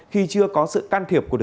khi chưa có sự liên quan